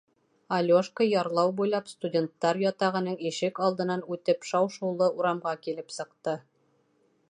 Алёшка ярлау буйлап, студенттар ятағының ишек алдынан үтеп шау-шыулы урамға килеп сыҡты.